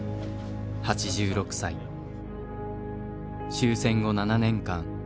終戦後７年間